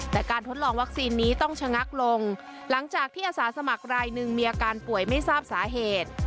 แต่การทดลองวัคซีนนี้ต้องชะงักลงหลังจากที่อาสาสมัครรายหนึ่งมีอาการป่วยไม่ทราบสาเหตุ